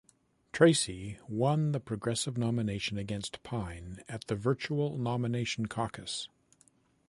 Tracy won the Progressive nomination against Pine at the virtual nomination caucus.